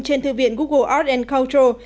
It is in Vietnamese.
trên thư viện google art culture